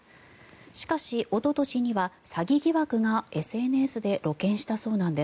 しかし、おととしには詐欺疑惑がＳＮＳで露見したそうです。